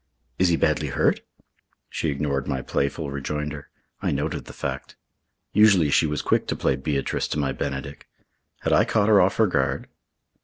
"Is he badly hurt?" She ignored my playful rejoinder. I noted the fact. Usually she was quick to play Beatrice to my Benedick. Had I caught her off her guard?